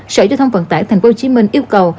xã hội giao thông vận tải thành phố hồ chí minh yêu cầu